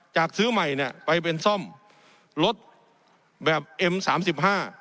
ซื้อใหม่เนี้ยไปเป็นซ่อมรถแบบเอ็มสามสิบห้า